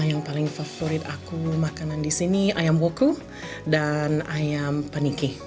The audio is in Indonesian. yang paling favorit aku makanan di sini ayam boku dan ayam paniki